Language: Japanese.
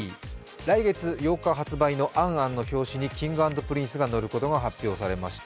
来月８日発売の「ａｎ・ａｎ」の表紙にＫｉｎｇ＆Ｐｒｉｎｃｅが載ることが発表されました。